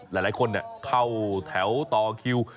หลายคนเถาแถวต่อเคี่ยว